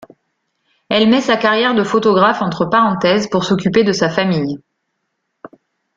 Elle met sa carrière de photographe entre parenthèses pour s’occuper de sa famille.